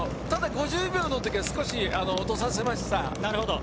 ただ、５０秒の時は少し落とさせました。